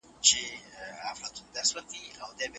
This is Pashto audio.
د نړۍ زبرځواکونه د چين پر وړاندې حيران دي.